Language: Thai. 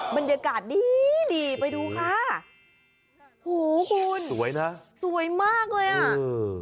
บรรยากาศดีดีไปดูค่ะโหคุณสวยนะสวยมากเลยอ่ะเออ